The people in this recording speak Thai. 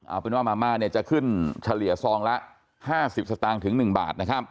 เอาเป็นว่ามาม่าจะขึ้นเฉลี่ยซองละ๕๐สตางค์ถึง๑บาทนะครับ